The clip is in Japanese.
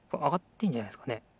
あがってんじゃないですかね？